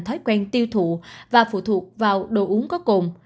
thói quen tiêu thụ và phụ thuộc vào đồ uống có cồn